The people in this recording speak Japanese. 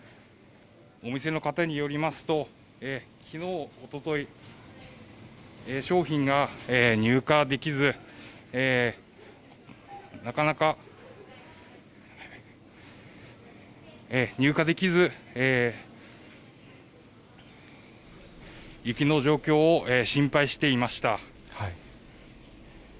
お店の方によりますと、きのう、おととい、商品が入荷できず、なかなか入荷できず、雪の状況を心配していました。